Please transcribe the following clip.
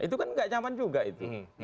itu kan gak nyaman juga itu